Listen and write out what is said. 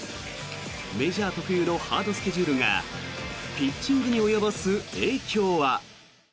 メジャー特有のハードスケジュールがピッチングに及ぼす影響は。